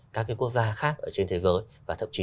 các cái quốc gia khác ở trên thế giới và thậm chí